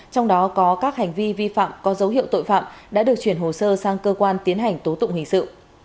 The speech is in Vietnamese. trong đó có các hành vi vi phạm có dấu hiệu tội phạm đã được chuyển hồ sơ sang cơ quan tiến hành tố tụng hình sự